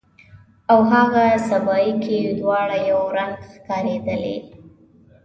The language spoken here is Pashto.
او هاغه سبایي کې دواړه یو رنګ ښکاریدلې